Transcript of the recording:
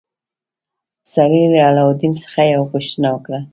سړي له علاوالدین څخه یوه پوښتنه وکړه.